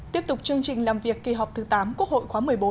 tiếp tục chương trình làm việc kỳ họp thứ tám quốc hội khóa một mươi bốn